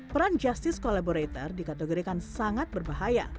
peran justice collaborator dikategorikan sangat berbahaya